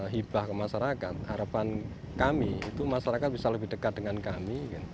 hibah ke masyarakat harapan kami itu masyarakat bisa lebih dekat dengan kami